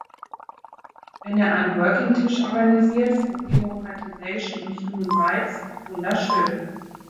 Wenn er einen working-Tisch organisiert für democratisation and human rights, wunderschön!